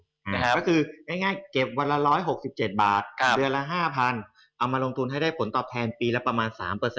ก็คือง่ายเก็บวันละ๑๖๗บาทเดือนละ๕๐๐๐เอามาลงทุนให้ได้ผลตอบแทนปีละประมาณ๓